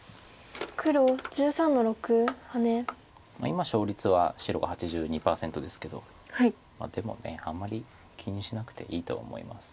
今勝率は白が８２％ですけどでもあんまり気にしなくていいと思います。